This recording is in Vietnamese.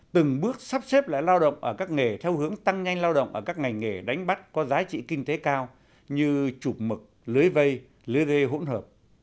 từng bước sắp xếp lại lao động ở các nghề theo hướng tăng nhanh lao động ở các ngành nghề đánh bắt có giá trị kinh tế cao như chụp mực lưới vây lưới rê hỗn hợp